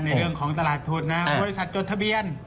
ในเรื่องของตลาดทุนนะบริษัทจดทะเบียน